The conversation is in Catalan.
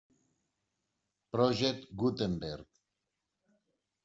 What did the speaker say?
Project Gutenberg.